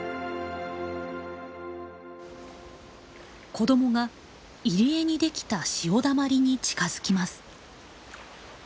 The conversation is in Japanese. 子どもが入り江にできた潮だまりに近づきます。